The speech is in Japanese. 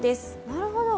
なるほど。